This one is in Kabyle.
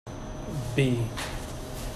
Bbi.